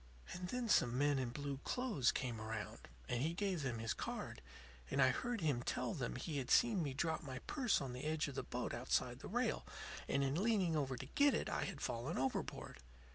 "And then some men in blue clothes came around; and he gave them his card, and I heard him tell them he had seen me drop my purse on the edge of the boat outside the rail, and in leaning over to get it I had fallen overboard.